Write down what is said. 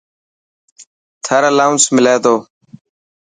ٿر الاونس ملي تو.